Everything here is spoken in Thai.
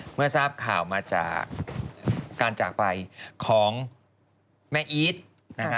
เมื่อทราบข่าวมาจากการจากไปของแม่อีทนะคะ